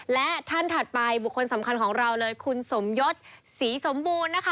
และท่านถัดไปบุคคลสำคัญของเราเลยคุณสมยศศรีสมบูรณ์นะคะ